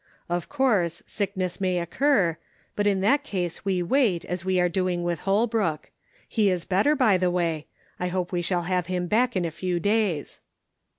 " Of course, sickness may oc cur, but in that case we wait, as we are doing with Holbrook ; he is better, by the way ; I hope we shall have him back in a few days."